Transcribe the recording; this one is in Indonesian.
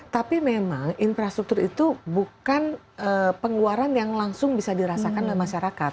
tapi memang infrastruktur itu bukan pengeluaran yang langsung bisa dirasakan oleh masyarakat